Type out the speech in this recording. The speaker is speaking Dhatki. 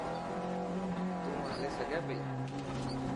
تون هلي سگھي پئي.